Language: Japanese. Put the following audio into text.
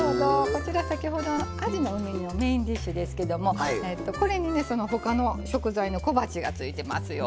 こちら先ほどのあじの梅煮のメインディッシュですけどもこれにね他の食材の小鉢がついていますよ。